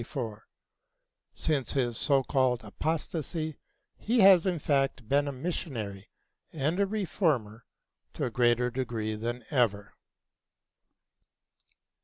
Since his so called apostasy he has in fact been a missionary and a reformer to a greater degree than ever.